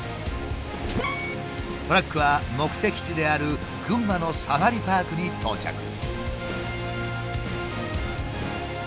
トラックは目的地である群馬のサファリパークに到着。